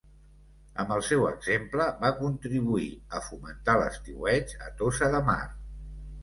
Amb el seu exemple, va contribuir a fomentar l’estiueig a Tossa de Mar.